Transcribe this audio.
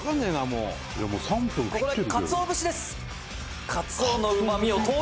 もう３分切ってる。